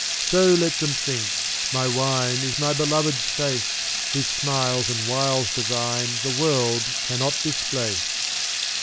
So let them think; my wine Is my beloved's face, Whose smiles and wiles divine The world cannot displace.